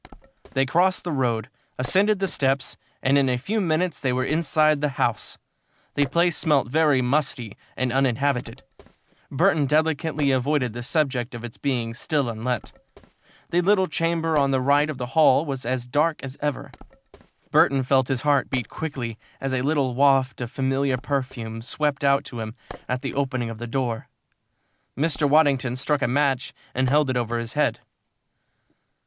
They crossed the road, ascended the steps, and in a few minutes they were inside the house. The place smelt very musty and uninhabited. Burton delicately avoided the subject of its being still unlet. The little chamber on the right of the hall was as dark as ever. Burton felt his heart beat quickly as a little waft of familiar perfume swept out to him at the opening of the door. Mr. Waddington struck a match and held it over his head.